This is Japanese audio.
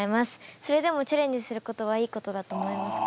それでもチャレンジすることはいいことだと思いますか？